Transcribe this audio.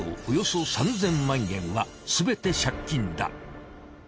およそ３，０００万円はすべて借金だ。